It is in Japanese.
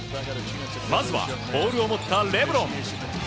まずはボールを持ったレブロン。